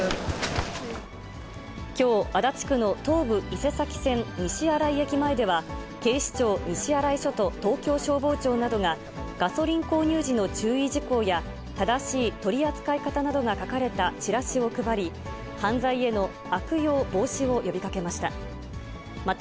きょう、足立区の東武伊勢崎線西新井駅前では、警視庁西新井署と東京消防庁などが、ガソリン購入時の注意事項や、正しい取り扱い方などが書かれたチラシを配り、犯罪への悪用防止を呼びかけました。